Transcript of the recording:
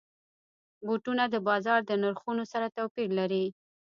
بوټونه د بازار د نرخونو سره توپیر لري.